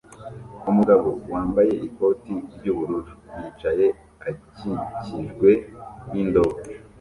Umugabo wambaye ikoti ry'ubururu yicaye akikijwe n'indobo